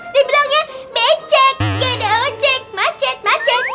dibilangnya becek nggak ada ojek macet macet